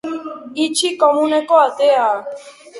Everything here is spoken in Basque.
Itxi komuneko atea.